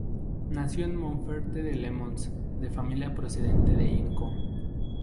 Nació en Monforte de Lemos, de familia procedente de Incio.